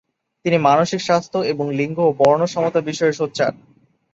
তিনি মানসিক স্বাস্থ্য এবং লিঙ্গ ও বর্ণ সমতা বিষয়ে সোচ্চার।